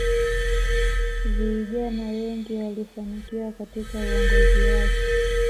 viijana wengi walifanikiwa katika uongozi wake